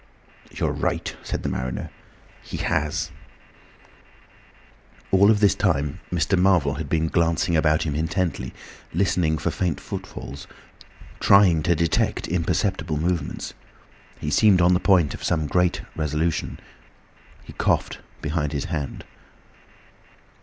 "You're right," said the mariner. "He has." All this time Mr. Marvel had been glancing about him intently, listening for faint footfalls, trying to detect imperceptible movements. He seemed on the point of some great resolution. He coughed behind his hand.